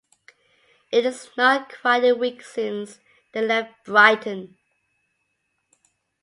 It is not quite a week since they left Brighton.